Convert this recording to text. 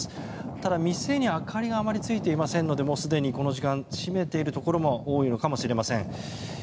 ただ、店に明かりがあまりついていませんのですでにこの時間閉めているところも多いのかもしれません。